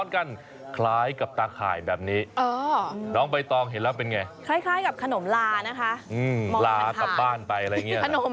ขนมลาจริงของทางภาคใต้ก็เป็นเส้นเหมือนกัน